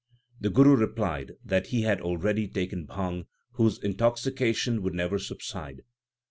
The Guru replied that he had already taken bhang whose intoxication would never subside.